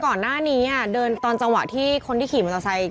ก่อนหน้านี้เดินตอนจังหวะที่คนที่ขี่มอเตอร์ไซค์